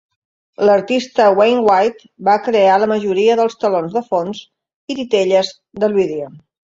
L'artista Wayne White va crear la majoria dels telons de fons i titelles del vídeo.